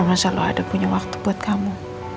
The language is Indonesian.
aku memang selalu ada punya waktu buat kamu